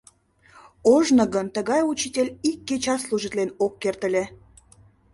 Ожно гын тыгай учитель ик кечат служитлен ок керт ыле.